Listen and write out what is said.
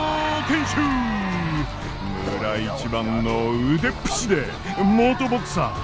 村一番の腕っぷしで元ボクサー！